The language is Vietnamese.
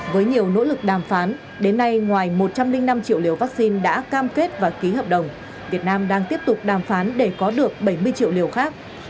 với nhiều nỗ lực đàm phán đến nay ngoài một trăm linh năm triệu liều vaccine đã cam kết và ký hợp đồng việt nam đang tiếp tục đàm phán để có được bảy mươi triệu liều khác